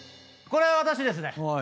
これは私ですね。